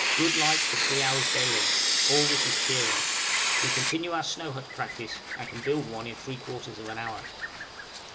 good light for three hours daily; all this is cheering. We continue our snow hut practice, and can build one in three quarters of an hour.